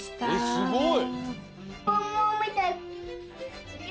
すごい！